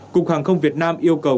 cục hàng không việt nam yêu cầu